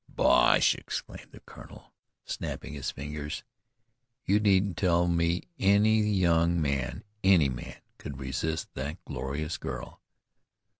"Bosh!" exclaimed the colonel, snapping his fingers. "You needn't tell me any young man any man, could resist that glorious girl."